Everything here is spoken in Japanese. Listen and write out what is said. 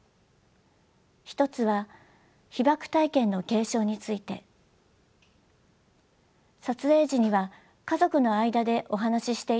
１つは「被爆体験の継承」について。撮影時には家族の間でお話ししていただく時間を設けています。